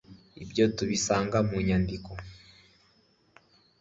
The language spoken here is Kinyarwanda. ibyo tubisanga mu nyandiko